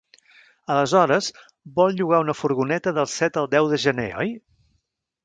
Aleshores vol llogar una furgoneta del set al deu de gener, oi?